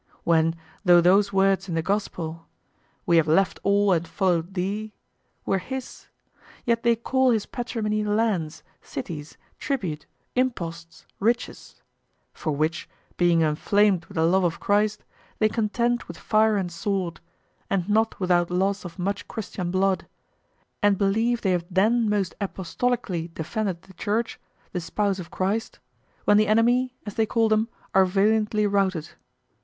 When, though those words in the Gospel, "We have left all, and followed Thee," were his, yet they call his patrimony lands, cities, tribute, imposts, riches; for which, being enflamed with the love of Christ, they contend with fire and sword, and not without loss of much Christian blood, and believe they have then most apostolically defended the Church, the spouse of Christ, when the enemy, as they call them, are valiantly routed.